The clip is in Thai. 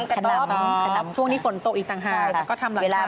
กลางข้างไปแอ้มบ้าน